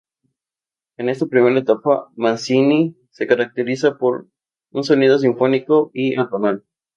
En esta primera etapa, Mancini se caracteriza por un sonido sinfónico y atonal.